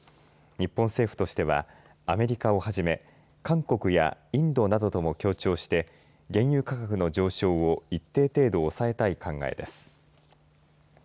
日本政府としてはアメリカをはじめ韓国やインドなどとも協調して原油価格の上昇を一定程度抑えたい考えです。